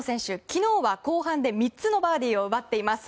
昨日は後半で３つのバーディーを奪っています。